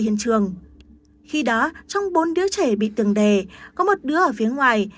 khi đó trong bốn đứa trẻ bị tường đề có một đứa ở phía ngoài